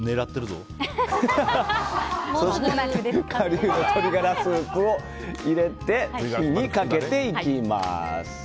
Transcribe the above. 顆粒鶏ガラスープを入れて火にかけていきます。